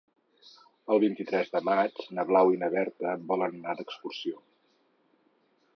El vint-i-tres de maig na Blau i na Berta volen anar d'excursió.